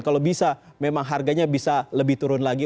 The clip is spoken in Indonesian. kalau bisa memang harganya bisa lebih turun lagi